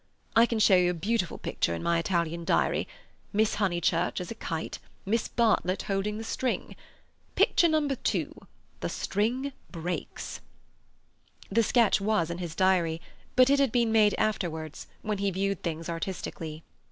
I can show you a beautiful picture in my Italian diary: Miss Honeychurch as a kite, Miss Bartlett holding the string. Picture number two: the string breaks." The sketch was in his diary, but it had been made afterwards, when he viewed things artistically.